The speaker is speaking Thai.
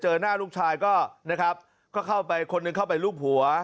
หน้าลูกชายก็นะครับก็เข้าไปคนหนึ่งเข้าไปรูปหัว